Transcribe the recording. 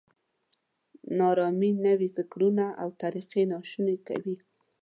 نا ارامي نوي فکرونه او طریقې ناشوني کوي.